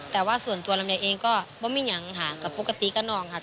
แต่ว่าส่วนตัวลำไยเองก็ไม่มีอย่างค่ะก็ปกติกับน้องค่ะ